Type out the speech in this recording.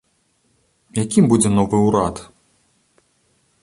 Якім будзе новы ўрад?